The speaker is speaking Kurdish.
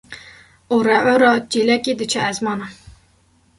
Oreora çêlekê diçe esmanan.